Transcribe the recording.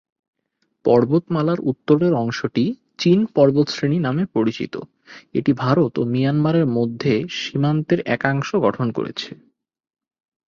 পর্বতমালার উত্তরের অংশটি চিন পর্বতশ্রেণী নামে পরিচিত; এটি ভারত ও মিয়ানমারের মধ্যে সীমান্তের একাংশ গঠন করেছে।